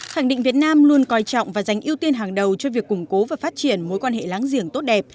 khẳng định việt nam luôn coi trọng và dành ưu tiên hàng đầu cho việc củng cố và phát triển mối quan hệ láng giềng tốt đẹp